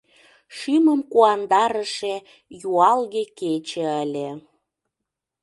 Шӱмым куандарыше юалге кече ыле.